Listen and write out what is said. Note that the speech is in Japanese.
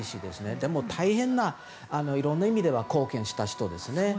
でも、大変ないろんな意味では貢献をした人ですね。